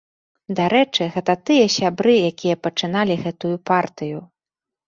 Дарэчы, гэта тыя сябры, якія пачыналі гэтую партыю.